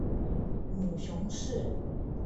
母熊氏。